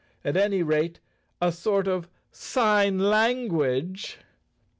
"At any rate a sort of sign language."